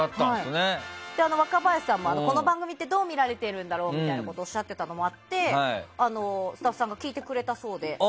若林さんって、この番組ってどう見られてるんだろうとおっしゃってたのもあってスタッフさんが聞いてくれたそうで。